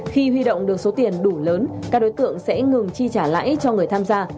khi huy động được số tiền đủ lớn các đối tượng sẽ ngừng chi trả lãi cho người tham gia